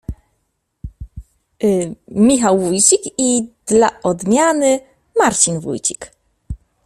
Yyy, Michał Wójcik i...dla odmiany Marcin Wójcik.